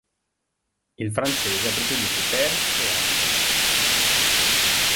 Il francese ha preceduto Pérez e Hamilton.